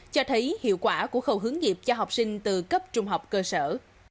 cho thấy hiệu quả của khẩu hướng nghiệp cho học sinh từ cấp trung học cơ sở